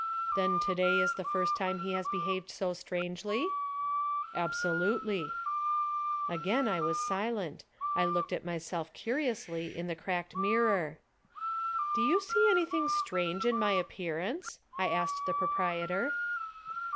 "Then to day is the first time he has behaved so strangely?" "Absolutely." Again I was silent. I looked at myself curiously in the cracked mirror. "Do you see anything strange in my appearance?" I asked the proprietor.